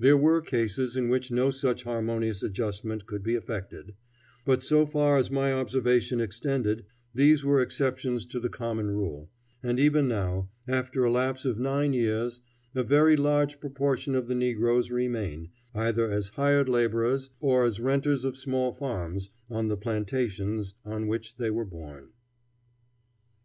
There were cases in which no such harmonious adjustment could be effected, but, so far as my observation extended, these were exceptions to the common rule, and even now, after a lapse of nine years, a very large proportion of the negroes remain, either as hired laborers or as renters of small farms, on the plantations on which they were born.